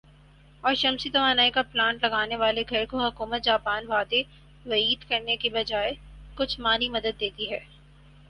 اور شمسی توانائی کا پلانٹ لگا نے والے گھر کو حکومت جاپان وعدے وعید کرنے کے بجائے کچھ مالی مدد دیتی ہے